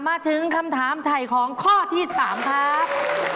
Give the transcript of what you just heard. มาถึงคำถามถ่ายของข้อที่๓ครับ